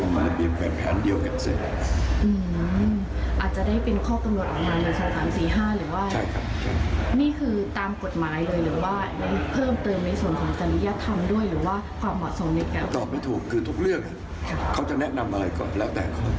มาใจคร่อยนะครับ